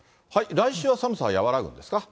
来週は寒さは和らぐんですか？